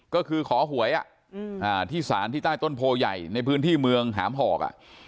ก็คือขอหวยที่ศาลที่ใต้ต้นโพใหญ่ในพื้นที่เมืองหามหอก